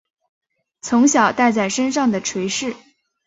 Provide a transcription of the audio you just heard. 从小带在身上的垂饰